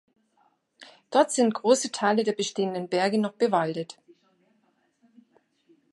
Dort sind große Teile der bestehenden Berge noch bewaldet.